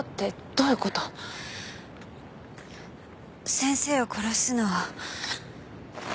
先生を殺すのを。